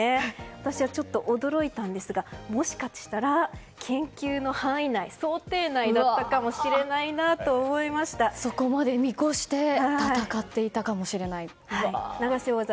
私はちょっと驚いたんですがもしかしたら研究の範囲内想定内だったかもしれないなとそこまで見越して永瀬王座